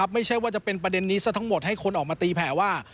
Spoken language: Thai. ไม่ใช่ว่าจะเป็นประเด็นนี้ซะทั้งหมดให้คนออกมาตีแผลว่า